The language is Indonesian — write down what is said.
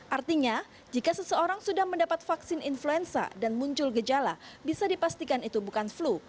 artinya jika seseorang sudah mendapat vaksin influenza dan muncul gejala bisa dipastikan itu bukan flu